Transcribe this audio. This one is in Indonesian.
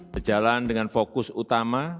berjalan dengan fokus utama